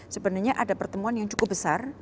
sebenarnya ada pertemuan yang cukup besar